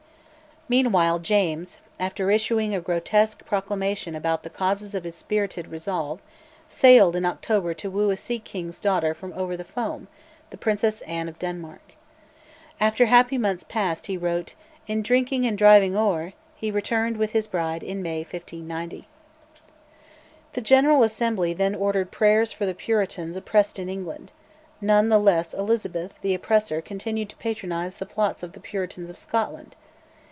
Meanwhile James, after issuing a grotesque proclamation about the causes of his spirited resolve, sailed in October to woo a sea king's daughter over the foam, the Princess Anne of Denmark. After happy months passed, he wrote, "in drinking and driving ower," he returned with his bride in May 1590. The General Assembly then ordered prayers for the Puritans oppressed in England; none the less Elizabeth, the oppressor, continued to patronise the plots of the Puritans of Scotland.